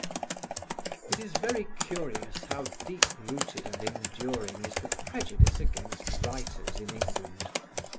It is very curious how deep rooted and enduring is the prejudice against writers in England.